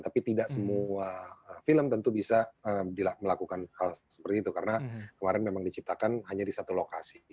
tapi tidak semua film tentu bisa melakukan hal seperti itu karena kemarin memang diciptakan hanya di satu lokasi